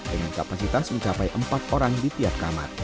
dengan kapasitas mencapai empat orang di tiap kamar